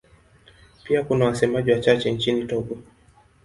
Pia kuna wasemaji wachache nchini Togo.